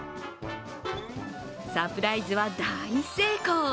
サプライズは大成功。